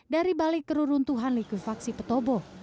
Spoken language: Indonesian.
dari balik keruruntuhan likuifaksi petobo